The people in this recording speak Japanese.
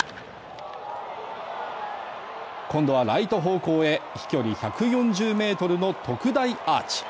今度はライト方向へ飛距離１４０ｍの特大アーチ。